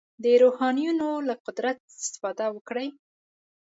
د روحانیونو له قدرت استفاده وکړي.